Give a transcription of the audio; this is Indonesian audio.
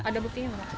ada buktinya mana